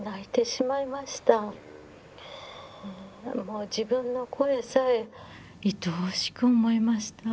もう自分の声さえいとおしく思いました。